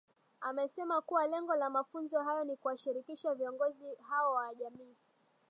Amesema kuwa lengo la mafunzo hayo ni kuwashirikisha viongozi hao wa jamii